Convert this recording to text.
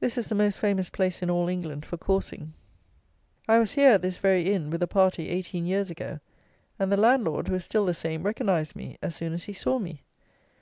This is the most famous place in all England for coursing. I was here, at this very inn, with a party eighteen years ago; and the landlord, who is still the same, recognized me as soon as he saw me.